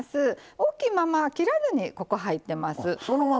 大きいまま切らずに入ってます。